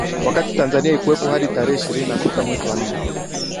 wakati Tanzania haikuwepo hadi tarehe ishirini na sita mwezi wa nne